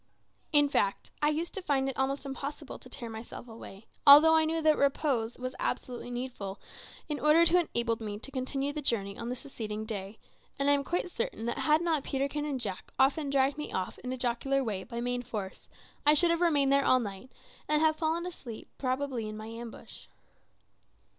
In fact, I used to find it almost impossible to tear myself away, although I knew that repose was absolutely needful, in order to enable me to continue the journey on the succeeding day, and I am quite certain that had not Peterkin and Jack often dragged me off in a jocular way by main force, I should have remained there all night, and have fallen asleep probably in my ambush.